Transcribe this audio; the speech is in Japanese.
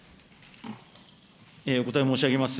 お答えを申し上げます。